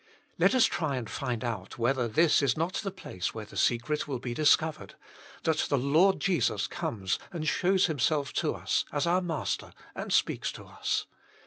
Let us try and find out whether this is not the place where the secret will be discovered — that the Lord Jesus comes and shows Himself to us as our Master and speaks to us.